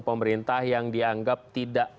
pemerintah yang dianggap tidak